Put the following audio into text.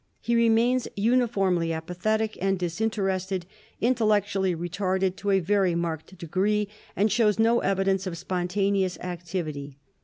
He remains uniformly apathetic and disinterested, intellectually retarded to a very marked degree, and shows no evidence of spontaneous activity.